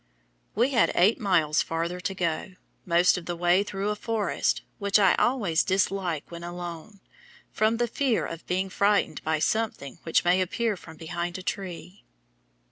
We had eight miles farther to go most of the way through a forest, which I always dislike when alone, from the fear of being frightened by something which may appear from behind a tree.